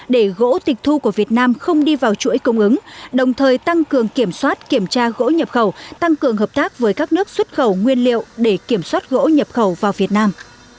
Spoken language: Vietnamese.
để gỗ tịch thu của việt nam không đi vào chuỗi cung ứng đồng thời tăng cường kiểm soát kiểm tra gỗ nhập khẩu tăng cường hợp tác với các nước xuất khẩu nguyên liệu để kiểm soát gỗ nhập khẩu vào việt nam